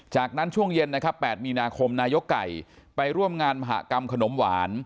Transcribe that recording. จากนั้นช่วงเย็นนะครับ๘มีนาคมนายกไก่ไปร่วมงานมหากรรมขนมหวาน